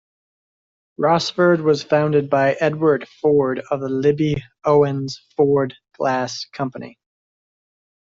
Rossford was founded by Edward Ford of the Libbey-Owens-Ford Glass Company.